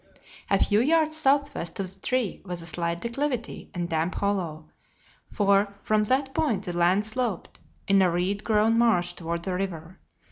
A few yards southwest of the tree was a slight declivity and damp hollow, for from that point the land sloped, in a reed grown marsh toward the river.